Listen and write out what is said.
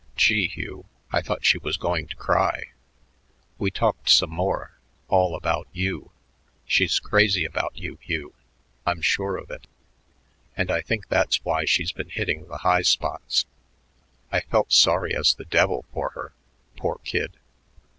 Gee, Hugh, I thought she was going to cry. We talked some more, all about you. She's crazy about you, Hugh; I'm sure of it. And I think that's why she's been hitting the high spots. I felt sorry as the devil for her. Poor kid...."